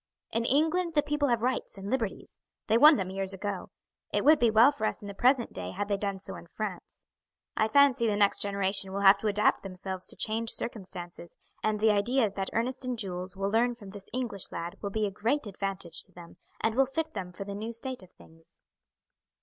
"In England the people have rights and liberties; they won them years ago. It would be well for us in the present day had they done so in France. I fancy the next generation will have to adapt themselves to changed circumstances, and the ideas that Ernest and Jules will learn from this English lad will be a great advantage to them, and will fit them for the new state of things."